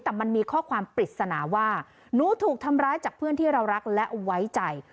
แต่มันมีข้อความปริศนาว่าหนูถูกทำร้ายจากเพื่อนที่เรารักและไว้ใจ